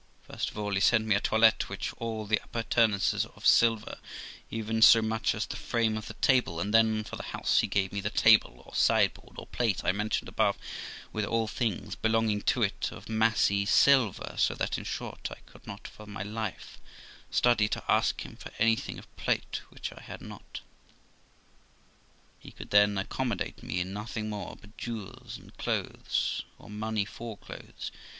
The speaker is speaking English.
First of all, he sent me a toilet, with all the appurtenances of silver, even so much as the frame of the table; and then for the house, he gave me the table, or sideboard of plate, I mentioned above, with all things belonging to it of massy silver; so that, in short, I could not for my life study to ask him for anything of plate which I had not. He could, then, accommodate me in nothing more but jewels and clothes, or money for clothes.